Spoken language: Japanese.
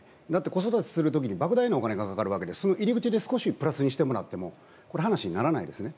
子育てをする時に莫大なお金がかかるわけでその入り口で少しプラスにしてもらっても話にならないんですね。